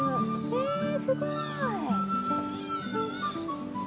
えすごい。